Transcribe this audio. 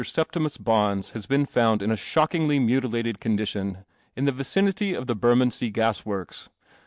Septimus lions has been ind in a shockingly mutilated condition in the vicinity of the Bermondsey gas works.